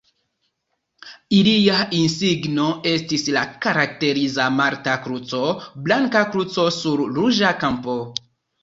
Ilia insigno estis la karakteriza malta kruco, blanka kruco sur ruĝa kampo.